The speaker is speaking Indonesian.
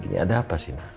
gini ada apa sih nak